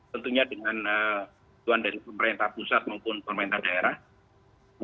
tentunya dengan tujuan dari pemerintah pusat maupun pemerintah daerah